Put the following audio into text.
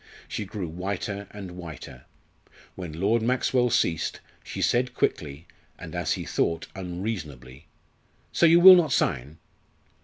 She grew whiter and whiter. When Lord Maxwell ceased, she said quickly, and as he thought unreasonably "So you will not sign?"